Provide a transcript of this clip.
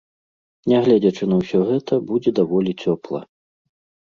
Нягледзячы на ўсё гэта, будзе даволі цёпла.